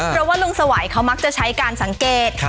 เพราะว่าลุงสวัยเขามักจะใช้การสังเกต